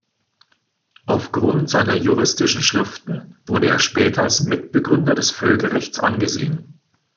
Aufgrund seiner juristischen Schriften wurde er später als Mitbegründer des Völkerrechts angesehen.